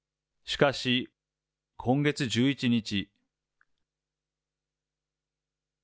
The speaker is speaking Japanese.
しかし、今月１１日。